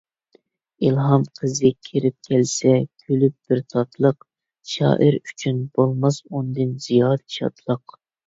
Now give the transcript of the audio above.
ئىلھام قىزى كىرىپ كەلسە كۈلۈپ بىر تاتلىق، شائىر ئۈچۈن بولماس ئۇندىن زىيادە شادلىق.